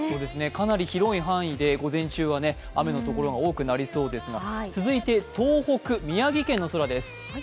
かなり広い範囲で午前中は雨のところが多くなりそうですが、続いて東北、宮城県の空です。